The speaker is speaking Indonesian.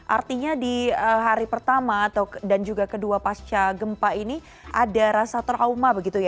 artinya di hari pertama dan juga kedua pasca gempa ini ada rasa trauma begitu ya